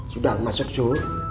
sudah masuk suhu